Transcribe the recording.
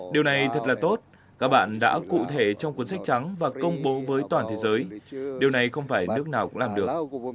điều này thật là tốt các bạn đã cụ thể trong cuốn sách trắng và công bố với toàn thế giới điều này không phải nước nào cũng làm được